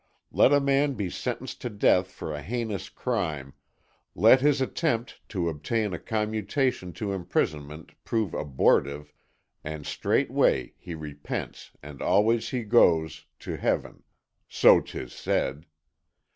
Let a man be sentenced to death for a heinous crime, let his attempt to obtain a commutation to imprisonment prove abortive, and straightway he repents and away he goes to heaven, so 'tis said.